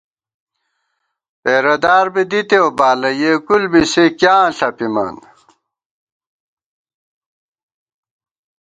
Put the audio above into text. پېرہ دار بی دِتېؤ بالہ یېکُل بی سے کیاں ݪَپِمان